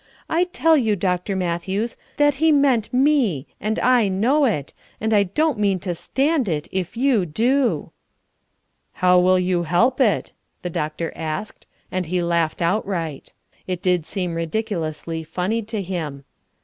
I tell you, Dr. Matthews, that he meant me, and I know it, and I don't mean to stand it, if you do." "How will you help it?" the doctor asked, and he laughed outright. It did seem ridiculously funny to him.